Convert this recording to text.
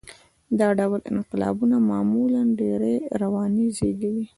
دا ډول انقلابونه معمولاً ډېرې ورانۍ زېږوي.